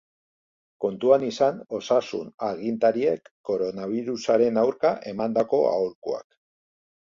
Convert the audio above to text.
Kontuan izan osasun-agintariek koronabirusaren aurka emandako aholkuak.